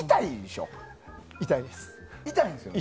痛いです。